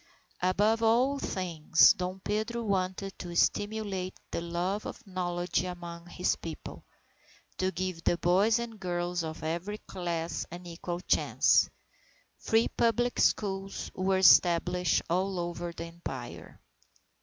Above all things, Dom Pedro wanted to stimulate the love of knowledge among his People, to give the boys and girls of every class an equal chance. Free public schools were established all over the Empire.